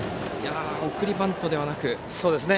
送りバントではなく。